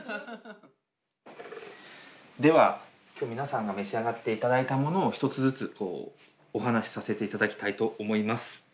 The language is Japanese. では今日皆さんが召し上がって頂いたものを一つずつこうお話しさせて頂きたいと思います。